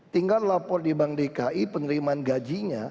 tinggal lapor di bank dki penerimaan gajinya